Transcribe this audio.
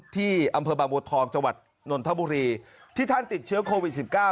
ที่อำเภอบางบัวทองจังหวัดนนทบุรีที่ท่านติดเชื้อโควิด๑๙